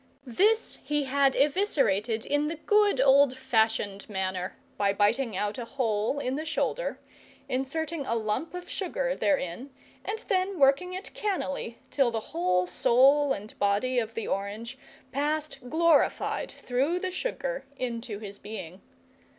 This he had eviscerated in the good old fashioned manner, by biting out a hole in the shoulder, inserting a lump of sugar therein, and then working it cannily till the whole soul and body of the orange passed glorified through the sugar into his being.